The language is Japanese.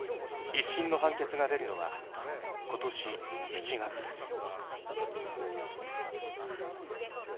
１審の判決が出るのは今年７月です。